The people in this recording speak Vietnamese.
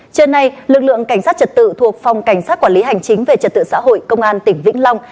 trưa nay lực lượng cảnh sát trật tự thuộc phòng cảnh sát quản lý hành chính về trật tự xã hội công an tỉnh vĩnh long